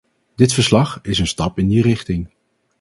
Dit verslag is een stap in die richting.